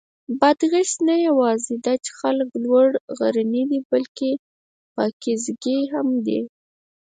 د بادغیس خلک نه یواځې دا چې لوړ غرني دي، بلکې پاکیزګي هم دي.